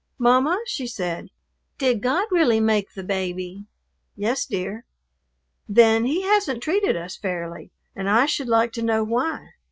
"Mamma," she said, "did God really make the baby?" "Yes, dear." "Then He hasn't treated us fairly, and I should like to know why.